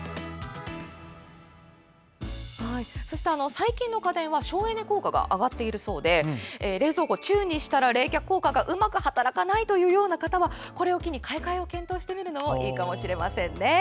最近の家電は省エネ効果が上がっているそうで冷蔵庫、「中」にしたら冷却効果がうまく働かない方はこれを機に買い替えも検討してみるのもいいかもしれません。